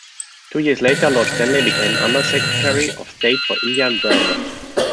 Two years later, Lord Stanley became Under-Secretary of State for India and Burma.